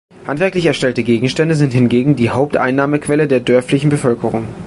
Handwerklich erstellte Gegenstände sind hingegen die Haupteinnahmequelle der dörflichen Bevölkerung.